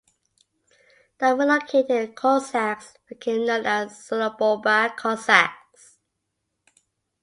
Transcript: The relocated cossacks became known as Sloboda Cossacks.